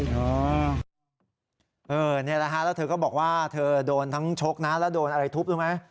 นี่แหละฮะแล้วเธอก็บอกว่าเธอโดนทั้งชกนะแล้วโดนอะไรทุบรู้ไหม